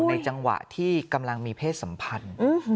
จังหวะที่กำลังมีเพศสัมพันธ์